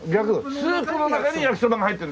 スープの中に焼きそばが入ってる。